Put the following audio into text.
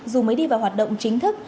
dù mới đi vào hoạt động chính thức